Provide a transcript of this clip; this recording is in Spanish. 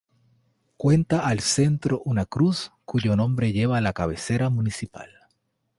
Cuenta al centro una cruz, cuyo nombre lleva la cabecera municipal.